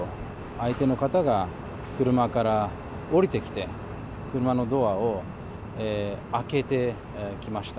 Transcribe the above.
相手の方が車から降りてきて、車のドアを開けてきました。